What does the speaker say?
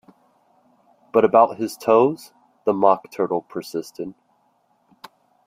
‘But about his toes?’ the Mock Turtle persisted.